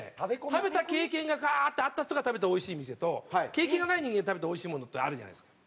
食べた経験がガーッてあった人が食べたらおいしい店と経験がない人間が食べておいしいものってあるじゃないですか。